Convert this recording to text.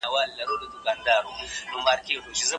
دا هغه نړيوال حکومت دی چي اګوستين يې غواړي.